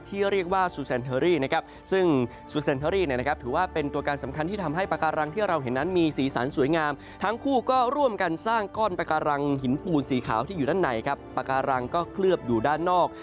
ที่เรียกว่าซูแซนเทอรี่นะครับซึ่งซูเซนเทอรี่เนี่ยนะครับถือว่าเป็นตัวการสำคัญที่ทำให้ปากการังที่เราเห็นนั้นมีสีสันสวยงามทั้งคู่ก็ร่วมกันสร้างก้อนปาการังหินปูนสีขาวที่อยู่ด้านในครับปากการังก็เคลือบอยู่ด้านนอก